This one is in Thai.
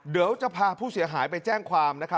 เดี๋ยวจะพาผู้เสียหายไปแจ้งความ